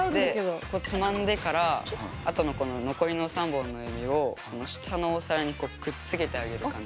つまんでからあとのこの残りの３本の指を下のお皿にくっつけてあげる感じ。